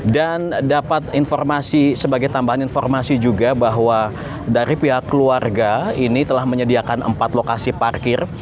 dan dapat informasi sebagai tambahan informasi juga bahwa dari pihak keluarga ini telah menyediakan empat lokasi parkir